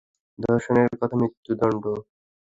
ধর্ষণের জন্য মৃত্যুদণ্ড।